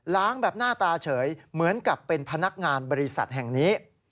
แบบหน้าตาเฉยเหมือนกับเป็นพนักงานบริษัทแห่งนี้